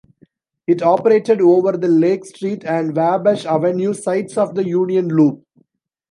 It operated over the Lake Street and Wabash Avenue sides of the Union Loop.